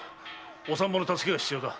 お産婆の助けが必要だ。